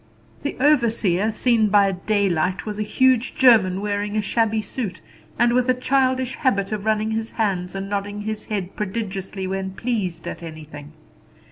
The overseer, seen by daylight, was a huge German, wearing a shabby suit, and with a childish habit of rubbing his hands and nodding his head prodigiously when pleased at anything.